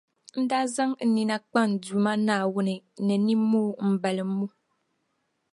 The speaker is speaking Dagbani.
n daa zaŋ n nina kpa n Duuma Naawuni ni nimmoo m-balim’ o.